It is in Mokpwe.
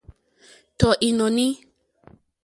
Tɔ̀ ìnɔ̀ní.